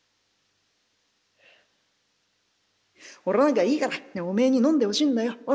「俺なんかいいからおめえに飲んでほしいんだよ。